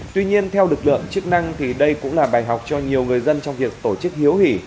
tuy nhiên theo lực lượng chức năng thì đây cũng là bài học cho nhiều người dân trong việc tổ chức hiếu hỉ